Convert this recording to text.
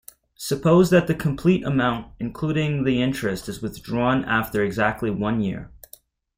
Suppose that the complete amount including the interest is withdrawn after exactly one year.